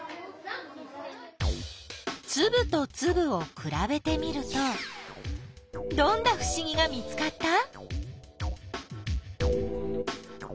つぶとつぶをくらべてみるとどんなふしぎが見つかった？